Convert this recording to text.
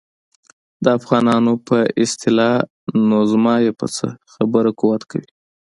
د افغانانو په اصطلاح نو زما یې په څه خبره قوت کوي.